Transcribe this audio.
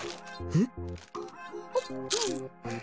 えっ？